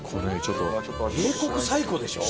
英国最古でしょ？